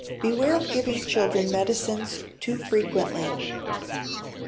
Beware of giving children medicines too frequently.